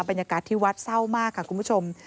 บรรยากาศที่วัดเศร้ามากค่ะคุณผู้ชม